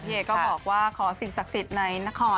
เอก็บอกว่าขอสิ่งศักดิ์สิทธิ์ในนคร